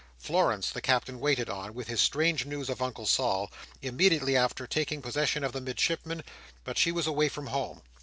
Florence, the Captain waited on, with his strange news of Uncle Sol, immediately after taking possession of the Midshipman; but she was away from home.